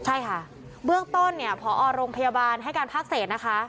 ใช่ค่ะเบื้องต้นเนี่ยพอโรงพยาบาลให้การภาคเศษนะคะ